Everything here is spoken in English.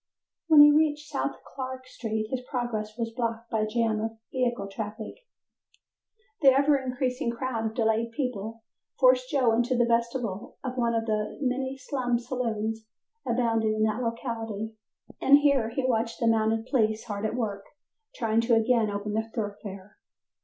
When he reached South Clark Street, his progress was blocked by a jam of vehicle traffic. The ever increasing crowd of delayed people forced Joe into the vestibule of one of the many slum saloons abounding in that locality, and here he watched the mounted police hard at work trying to again open the thoroughfare.